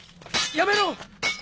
やめろ！